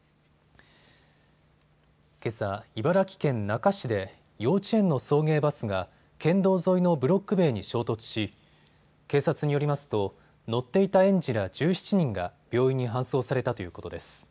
けさ、茨城県那珂市で幼稚園の送迎バスが県道沿いのブロック塀に衝突し警察によりますと乗っていた園児ら１７人が病院に搬送されたということです。